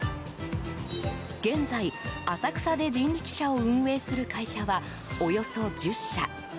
現在、浅草で人力車を運営する会社はおよそ１０社。